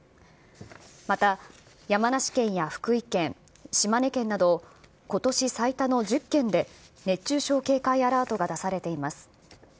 また、山梨県や福井県、島根県などことし最多の１０県で、熱中症警戒アラートが出されています。